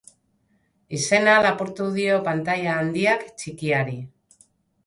Izena lapurtu dio pantaila handiak, txikiari.